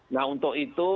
nah untuk itu